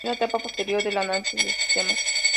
Es la etapa posterior al análisis de sistemas.